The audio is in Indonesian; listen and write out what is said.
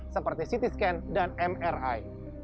seperti ct scan dan mri